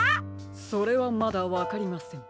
それはまだわかりません。